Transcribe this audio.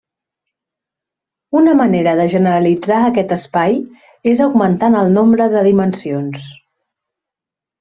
Una manera de generalitzar aquest espai és augmentant el nombre de dimensions.